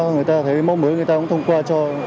người ta thấy mong mới người ta cũng thông qua cho